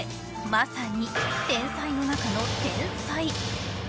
まさに天才の中の天才。